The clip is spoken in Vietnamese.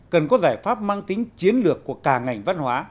cần có giải pháp mang tính chiến lược của cả ngành văn hóa